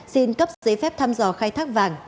xin cấp giấy phép thăm dò khai thác vàng